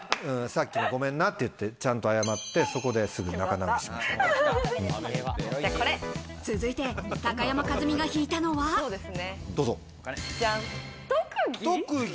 「さっきのごめんな」って言って、ちゃんと謝って、そこですぐ仲直続いて、高山一実が引いたの特技。